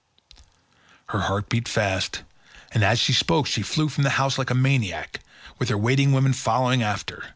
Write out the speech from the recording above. Her heart beat fast, and as she spoke she flew from the house like a maniac, with her waiting women following after.